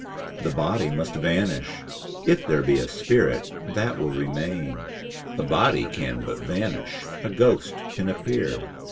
'The body must vanish. If there be a spirit, that will remain. A body can but vanish. A ghost can appear.